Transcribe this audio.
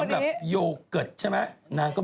สำหรับโยเกิร์ตใช่ไหม